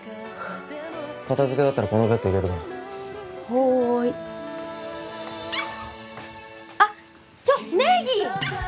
片付け終わったらこのベッド入れるからはいあっちょっネギ！